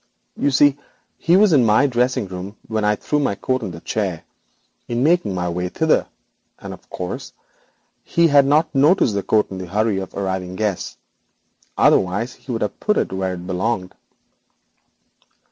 You see, Johnson was in my dressing room when I threw my coat on the chair in the corner while making my way thither, and I suppose he had not noticed the coat in the hurry of arriving guests, otherwise he would have put it where it belonged.